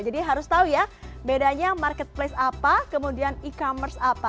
jadi harus tahu ya bedanya marketplace apa kemudian e commerce apa